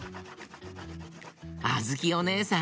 あづきおねえさん